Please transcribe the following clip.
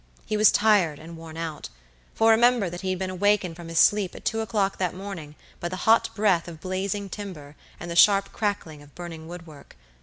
He was tired and worn out, for remember that he had been awakened from his sleep at two o'clock that morning by the hot breath of blazing timber and the sharp crackling of burning woodwork.